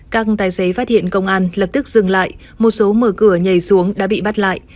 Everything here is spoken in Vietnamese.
các tài xế phát hiện công an lập tức dừng lại một số mở cửa nhảy xuống đã bị bắt lại